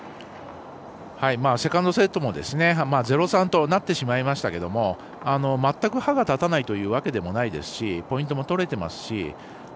セカンドセットも０−３となってしまいましたけれどもまったく歯が立たないというわけでもないですしポイントも取れていますし。